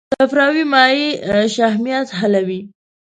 صفراوي مایع شحمیات حلوي.